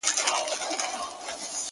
• د ځان وژني د رسۍ خریدارۍ ته ولاړم ـ